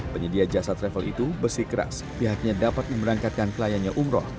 penyedia jasa travel itu besi keras pihaknya dapat memberangkatkan kliennya umroh